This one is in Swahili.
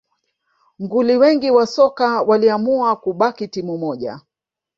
Nguli wengi wa soka waliamua kubaki timu moja